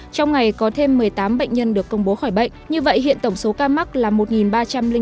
trong ngày có thêm một mươi tám bệnh nhân được công bố khỏi bệnh như vậy hiện tổng số ca mắc là một ba trăm linh người